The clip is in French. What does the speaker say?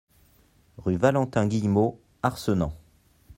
Rue Valentin Guillemot, Arcenant